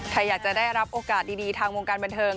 ใครอยากจะได้รับโอกาสดีทางวงการบันเทิง